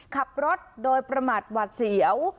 ขับรถโดยประมาทหวัดเสียว